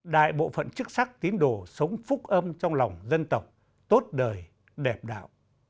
đại bộ phận chức sắc tín đồ sống phúc âm trong lòng dân tộc tốt đời đẹp đạo